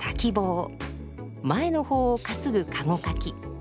前の方を担ぐ駕籠かき。